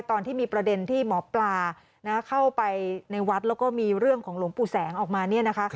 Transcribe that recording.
ตอนที่มีประเด็นที่หมอปลาเข้าไปในวัดแล้วก็มีเรื่องของหลวงปู่แสงออกมา